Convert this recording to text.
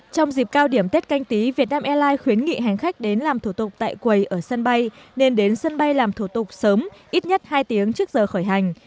trong dịp cao điểm tết canh tí việt nam airlines khuyến nghị hành khách đến làm thủ tục tại quầy ở sân bay nên đến sân bay làm thủ tục sớm ít nhất hai tiếng trước giờ khởi hành